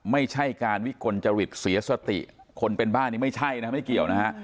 ไม่ใช่การวิกลจริตเสียสติคนเป็นบ้านนี้ไม่ใช่นะฮะไม่เกี่ยวนะฮะ